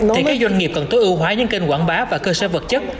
thì các doanh nghiệp cần tối ưu hóa những kênh quảng bá và cơ sở vật chất